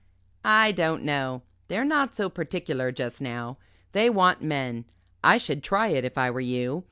"I don't know. They're not so particular just now. They want men. I should try it if I were you.